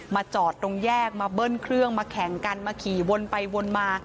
จอดตรงแยกมาเบิ้ลเครื่องมาแข่งกันมาขี่วนไปวนมา